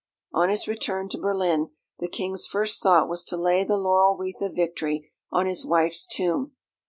On his return to Berlin, the King's first thought was to lay the laurel wreath of victory on his wife's tomb.